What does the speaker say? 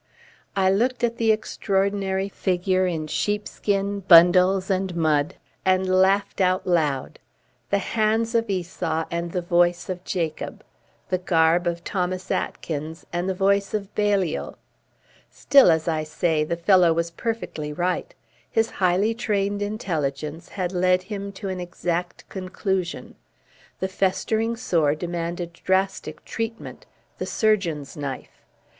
I looked at the extraordinary figure in sheepskin, bundles and mud, and laughed out loud. The hands of Esau and the voice of Jacob. The garb of Thomas Atkins and the voice of Balliol. Still, as I say, the fellow was perfectly right. His highly trained intelligence had led him to an exact conclusion. The festering sore demanded drastic treatment, the surgeon's knife.